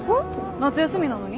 夏休みなのに？